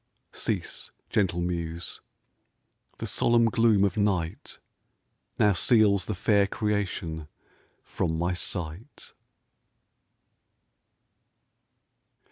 Cease, gentle muse! the solemn gloom of night Now seals the fair creation from my sight.